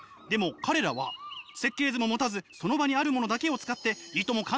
でも彼らは設計図も持たずその場にあるものだけを使っていとも